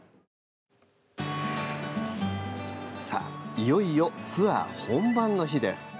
いよいよツアー本番の日です。